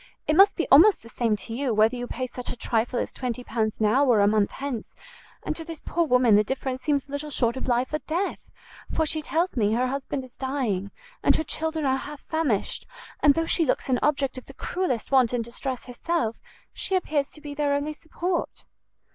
It must be almost the same to you whether you pay such a trifle as 20 pounds now or a month hence, and to this poor woman the difference seems little short of life or death, for she tells me her husband is dying, and her children are half famished; and though she looks an object of the cruellest want and distress herself, she appears to be their only support."